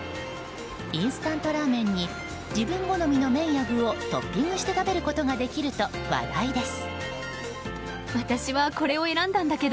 インスタントラーメンに自分好みの麺や具をトッピングして食べることができると話題です。